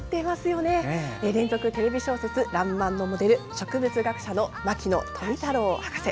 連続テレビ小説「らんまん」のモデル植物学者の牧野富太郎博士。